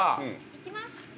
◆行きます。